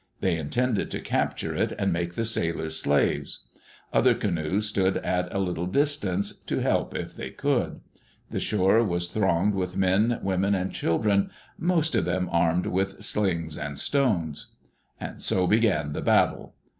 They intended to capture it, and make the sailors slaves. Other canoes stood at a little distance, to help if they could. The shore was thronged with men, women, and children, most of them armed with slings and stones. So began the battle.